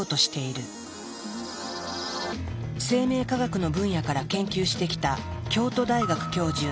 生命科学の分野から研究してきた京都大学教授